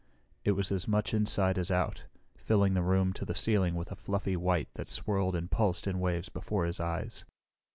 It was as much inside as out, filling the room to the ceiling with a fluffy white that swirled and pulsed in waves before his eyes.